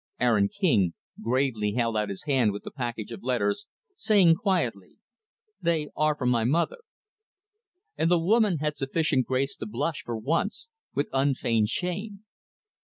Aaron King gravely held out his hand with the package of letters, saying quietly, "They are from my mother." And the woman had sufficient grace to blush, for once, with unfeigned shame.